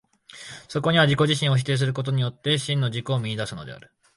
そこには自己自身を否定することによって、真の自己を見出すのである。